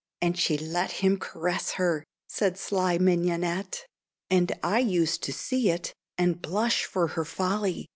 And she let him caress her," said sly Mignonette; "And I used to see it and blush for her folly.